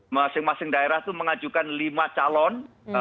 masing masing daerah itu mengajukan lima calon